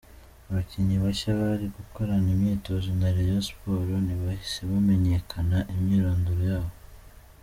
Abakinnyi bashya bari gukorana imyitozo na Rayon Sports ntibahise bamenyekana imyirondoro yabo.